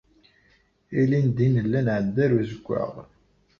Ilindi nella nɛedda ɣer uzeggaɣ.